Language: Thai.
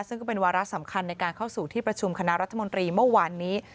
ซึ่งก็เป็นวาระสำคัญในการเข้าสู่ที่ประชุมคณะรัฐมนตรีเมื่อวานนี้